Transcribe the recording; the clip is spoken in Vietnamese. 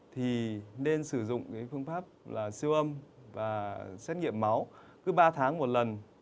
thì nên sử dụng phương pháp là siêu âm và xét nghiệm máu cứ ba tháng một lần